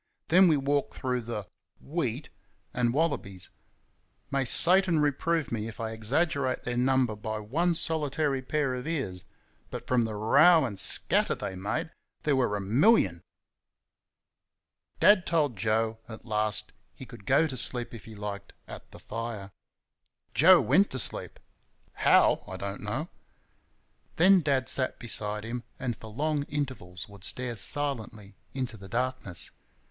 Then we walked through the "wheat" and wallabies! May Satan reprove me if I exaggerate their number by one solitary pair of ears but from the row and scatter they made there were a MILLION. Dad told Joe, at last, he could go to sleep if he liked, at the fire. Joe went to sleep HOW, I don't know. Then Dad sat beside him, and for long intervals would stare silently into the darkness.